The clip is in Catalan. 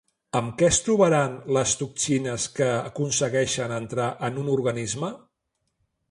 Amb què es trobaran les toxines que aconsegueixin entrar en un organisme?